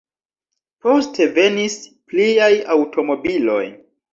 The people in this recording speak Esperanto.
Poste venis pliaj aŭtomobiloj.